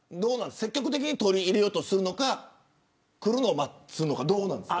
積極的に取り入れようとするのかくるのを待つのかどうなんですか。